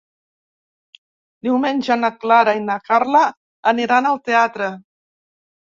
Diumenge na Clara i na Carla aniran al teatre.